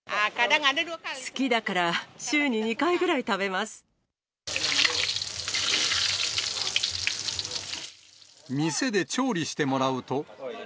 好きだから、週に２回ぐらい店で調理してもらうと。